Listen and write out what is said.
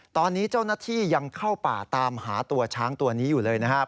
ตอนนี้เจ้าหน้าที่ยังเข้าป่าตามหาตัวช้างตัวนี้อยู่เลยนะครับ